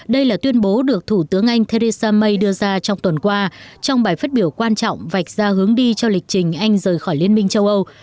đây là tuyên bố được thủ tướng anh theresa may đưa ra trong tuần qua trong bài phát biểu quan trọng vạch ra hướng đi cho lịch trình anh rời khỏi liên minh châu âu